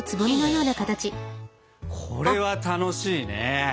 これは楽しいね！